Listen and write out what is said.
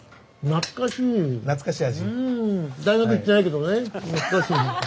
懐かしい。